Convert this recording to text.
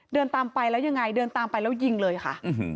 เดินตามไปแล้วยังไงเดินตามไปแล้วยิงเลยค่ะ